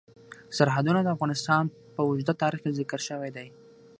سرحدونه د افغانستان په اوږده تاریخ کې ذکر شوی دی.